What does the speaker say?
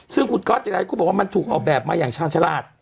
ซึ่งคุณก๊อตจิรายก็บอกว่ามันถูกออกแบบมาอย่างชาญฉลาด